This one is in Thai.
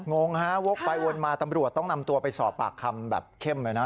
งงฮะวกไปวนมาตำรวจต้องนำตัวไปสอบปากคำแบบเข้มเลยนะ